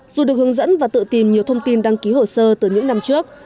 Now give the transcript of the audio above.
dù được hướng dẫn và tự tìm nhiều thông tin đăng ký hồ sơ từ những năm trước